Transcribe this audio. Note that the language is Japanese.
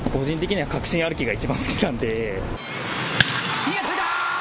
いい当たりだー！